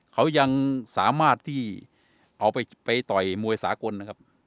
เขายังสามารถที่เอาไปต่อยมวยสากลนะครับ